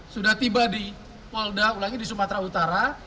sudah tiba di polda ulangi di sumatera utara